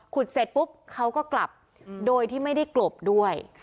เสร็จปุ๊บเขาก็กลับโดยที่ไม่ได้กลบด้วย